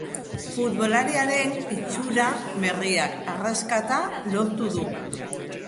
Futbolariaren itxura berriak arrakasta lortu du.